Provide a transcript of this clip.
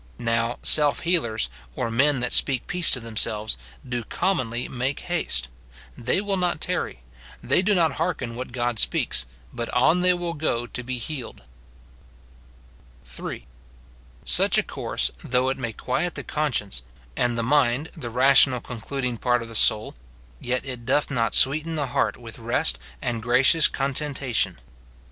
Now, self healers, or men that speak peace to themselves, do commonly make haste ; they will not tarry ; they do not hearken what God speaks, but on they will go to be healed, f (3.) Such a course, though it may quiet the conscience and the mind, the rational concluding part of the soul, yet it doth not sweeten the heart with rest and gracious contentation.